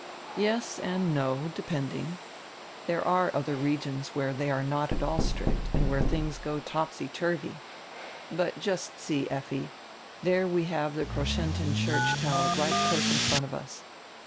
"Yes and no, depending. There are other regions where they are not at all strict and where tilings go topsy turvy — But just see, Effi, there we have the Kroschentin church tower right close in front of us.